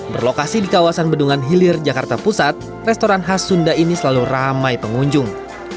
berlokasi di kawasan bendungan hilir jakarta pusat restoran khas sunda ini selalu ramai pengunjung